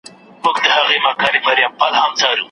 پوهنتونونه باید د څېړونکو لپاره دا صفتونه پیدا کړي.